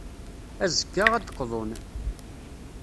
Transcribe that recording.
Azekka, ad d-qḍun.